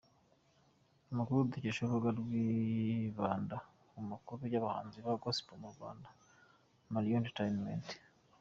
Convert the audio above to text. Amakuru dukesha urubuga rwibanda ku makuru y’abahanzi ba Gospel mu Rwanda, Moriah-Entertainment.